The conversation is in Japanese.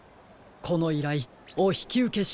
このいらいおひきうけしましょう。